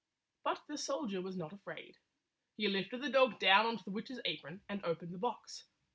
But the soldier was not afraid. He lifted the dog down on to the witch's apron and opened the box.